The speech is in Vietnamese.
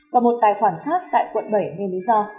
và một tài khoản khác tại quận bảy lấy lý do